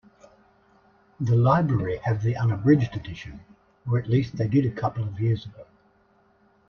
The library have the unabridged edition, or at least they did a couple of years ago.